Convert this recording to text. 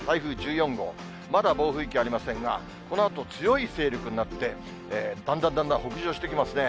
まだ暴風域ありませんが、このあと、強い勢力になって、だんだんだんだん北上してきますね。